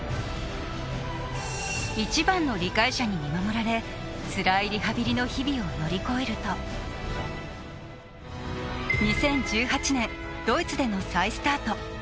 一番の理解者に見守られ、つらいリハビリの日々を乗り越えると２０１８年、ドイツでの再スタート。